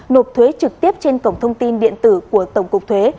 nộp thuế trực tiếp trên cổng thông tin điện tử của tổng cục thuế